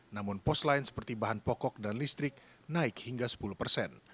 namun pos lain seperti bahan pokok dan listrik naik hingga sepuluh persen